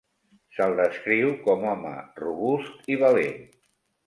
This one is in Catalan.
Se'l descriu com home robust, i valent.